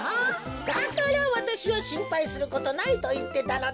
だからわたしはしんぱいすることないといってたのだ。